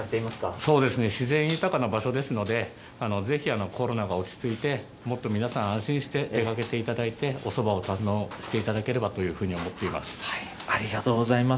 そうですね、自然豊かな場所ですので、ぜひコロナが落ち着いて、もっと皆さん安心して出かけていただいて、おそばを堪能していただければというふうに思っています。